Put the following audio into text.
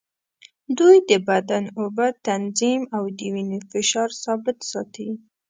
دوی د بدن اوبه تنظیم او د وینې فشار ثابت ساتي.